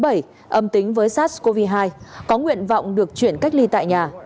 âm tính với sars cov hai có nguyện vọng được chuyển cách ly tại nhà